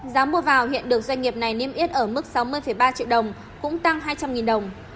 giá mua vào hiện được doanh nghiệp này niêm yết ở mức sáu mươi ba triệu đồng cũng tăng hai trăm linh đồng